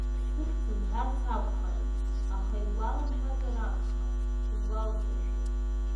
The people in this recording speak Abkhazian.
Сыхьӡ лҳәарц акәхарын, аха илгәаламшәазар акәхап, илгәаласыршәеит.